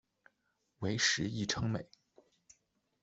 为时议称美。